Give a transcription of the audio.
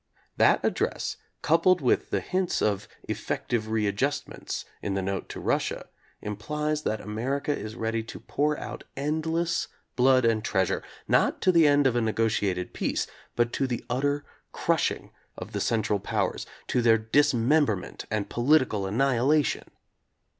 That address, coupled with the hints of "effective readjustments" in the note to Russia, implies that America is ready to pour out endless blood and treasure, not to the end of a negotiated peace, but to the utter crushing of the Central Powers, to their dismemberment and political annihilation.